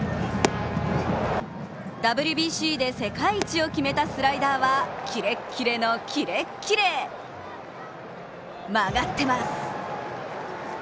ＷＢＣで世界一を決めたスライダーはキレッキレのキレッキレ、曲がってます。